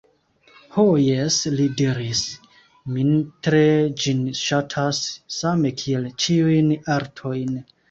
Ho jes, li diris, mi tre ĝin ŝatas, same kiel ĉiujn artojn.